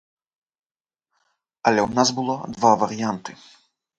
Але ў нас было два варыянты.